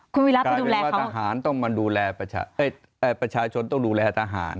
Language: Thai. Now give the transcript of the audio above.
กลายเป็นว่าประชาชนต้องดูแลทหาร